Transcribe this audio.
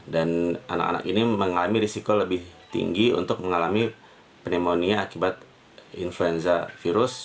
dan anak anak ini mengalami risiko lebih tinggi untuk mengalami pneumonia akibat influenza virus